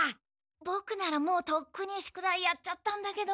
ボクならもうとっくに宿題やっちゃったんだけど。